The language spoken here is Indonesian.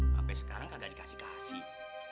sampe sekarang kagak dikasih kasih